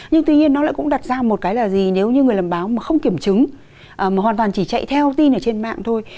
nhưng tuy nhiên nó lại cũng đặt ra một cái là gì nếu như người làm báo mà không kiểm chứng mà hoàn toàn chỉ chạy theo tin ở trên mạng thôi